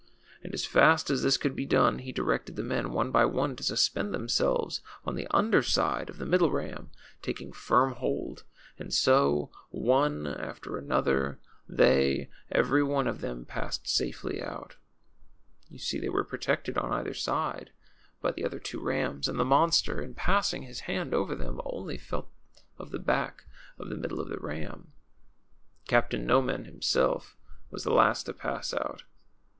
And as fast as this could be done, he directed the men, one by one, to suspend themseh^es on the under side of the middle ram, taking Arm hold. And so, one after another, they eA'ery one of ii6 THE CHILDREN'S WONDER BOOK. them passed safely out. You see they were protected^ on either side^ by the other two rams ; and the monster, in passing his hand over them, only felt of the back of the middle ram. Captain Noman himself was the last to pass out.